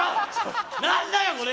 何だよこれ！